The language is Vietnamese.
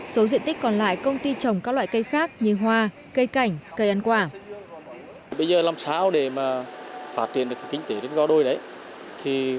số diện tích còn lại công ty trồng các loại cây khác như hoa cây cảnh